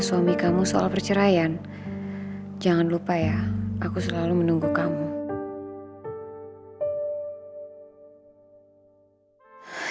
suami kamu soal perceraian jangan lupa ya aku selalu menunggu kamu ya allah aku samamu